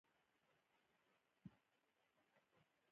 سيورى دي د بل ورک شي، آن که د هما هم وي